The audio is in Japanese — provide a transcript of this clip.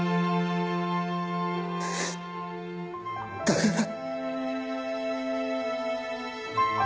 だから。